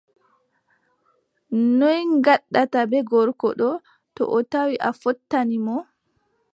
Noy ngaɗataa bee gorko ɗoo, to o tawi a fottani mo ?